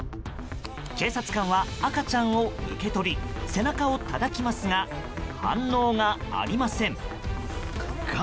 警察官は、赤ちゃんを受け取り背中をたたきますが反応がありません。